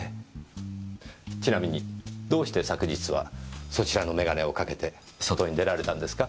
ちなみにどうして昨日はそちらの眼鏡をかけて外に出られたんですか？